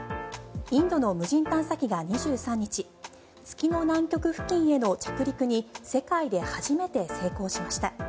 インドの無人探査機が２３日月の南極付近への着陸に世界で初めて成功しました。